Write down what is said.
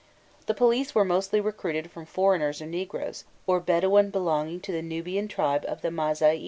The police were mostly recruited from foreigners and negroes, or Bedouin belonging to the Nubian tribe of the Mâzaiû.